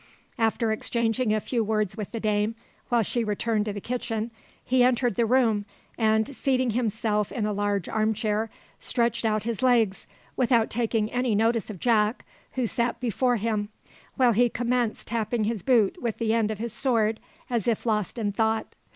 After exchanging a few words with the dame, while she returned to the kitchen he entered the room, and, seating himself in a large arm chair, stretched out his legs, without taking any notice of Jack, who sat before him, while he commenced tapping his boot with the end of his sword, as if lost in thought.